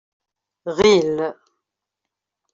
Ɣil.